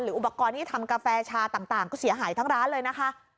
อุปกรณ์ที่ทำกาแฟชาต่างก็เสียหายทั้งร้านเลยนะคะ